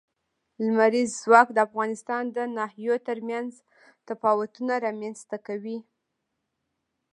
لمریز ځواک د افغانستان د ناحیو ترمنځ تفاوتونه رامنځ ته کوي.